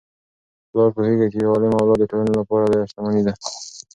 پلار پوهیږي چي یو عالم اولاد د ټولنې لپاره لویه شتمني ده.